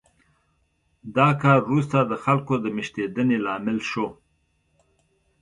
دا کار وروسته د خلکو د مېشتېدنې لامل شو